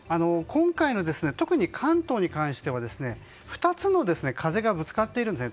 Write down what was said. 今回、特に関東に関しては２つの風がぶつかっているんです。